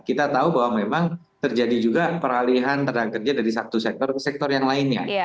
kita tahu bahwa memang terjadi juga peralihan tenaga kerja dari satu sektor ke sektor yang lainnya